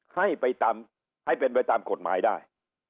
ให้ไปตามให้เป็นไปตามกฎหมายได้